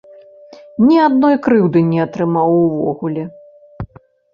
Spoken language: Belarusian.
Ні адной крыўды не атрымаў увогуле!